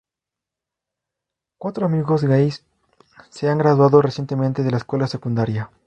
Cuatro amigos gais se han graduado recientemente de la escuela secundaria.